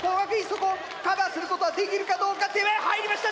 そこをカバーすることはできるかどうか⁉手前入りました！